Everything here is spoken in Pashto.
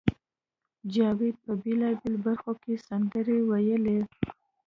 جاوید په بېلابېلو برخو کې سندرې وویلې